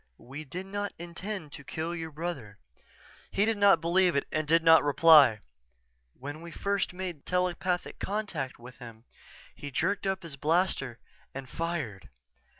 "We did not intend to kill your brother." He did not believe it and did not reply. "_When we made first telepathic contact with him, he jerked up his blaster and fired.